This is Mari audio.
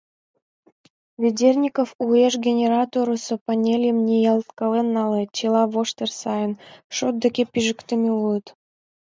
Ведерников уэш генераторысо панельым ниялткален нале — чыла воштыр сайын, шот деке пижыктыме улыт.